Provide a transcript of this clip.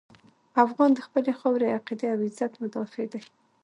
افغان د خپلې خاورې، عقیدې او عزت مدافع دی.